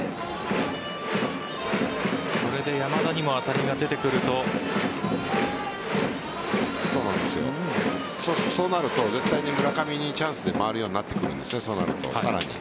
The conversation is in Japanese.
山田にも当たりが出てくるとそうなると絶対に村上にチャンスで回るようになってくるんです。